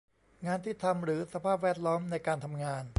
งานที่ทำ หรือ สภาพแวดล้อมในการทำงาน